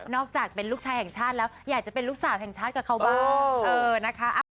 อกจากเป็นลูกชายแห่งชาติแล้วอยากจะเป็นลูกสาวแห่งชาติกับเขาบ้างนะคะ